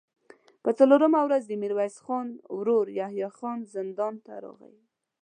په څلورمه ورځ د ميرويس خان ورو يحيی خان زندان ته راغی.